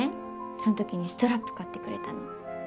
そんときにストラップ買ってくれたの。